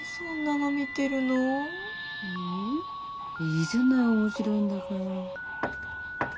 いいじゃない面白いんだから。